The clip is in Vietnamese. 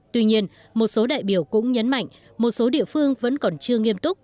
tuy nhiên một số đại biểu cũng nhấn mạnh một số địa phương vẫn còn chưa nghiêm túc